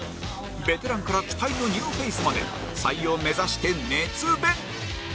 ベテランから期待のニューフェースまで採用目指して熱弁！